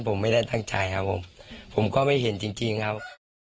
ผมไม่ได้ตั้งใจครับผมผมก็ไม่เห็นจริงครับ